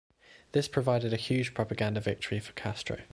This provided a huge propaganda victory for Castro.